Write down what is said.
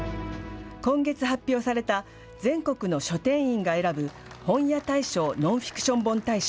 今月発表された、全国の書店員が選ぶ、本屋大賞ノンフィクション本大賞。